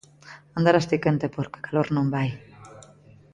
Andarás ti quente porque calor non vai